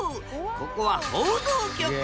ここは報道局。